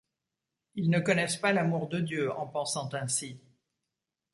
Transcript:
Ils ne connaissent pas l'amour de Dieu en pensant ainsi.